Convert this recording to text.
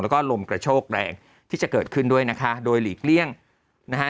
แล้วก็ลมกระโชกแรงที่จะเกิดขึ้นด้วยนะคะโดยหลีกเลี่ยงนะคะ